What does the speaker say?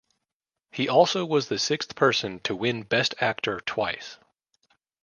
He also was the sixth person to win Best Actor twice.